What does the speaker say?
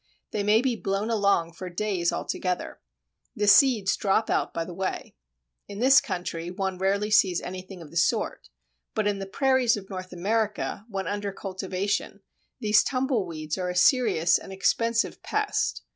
They may be blown along for days together. The seeds drop out by the way. In this country one rarely sees anything of the sort, but in the Prairies of North America, when under cultivation, these tumble weeds are a serious and expensive pest.